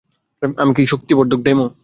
আমি কি শক্তিবর্ধক গোলা?